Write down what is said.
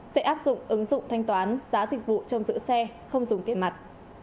sẽ áp dụng ứng dụng thanh toán giá dịch vụ trong giữ xe không dùng tiền mặt